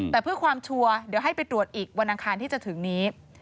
แต่เพื่อความชัวร์เดี๋ยวให้ไปตรวจอีกวันอังคารที่จะถึงนี้